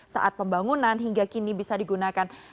saat pembangunan hingga kini bisa digunakan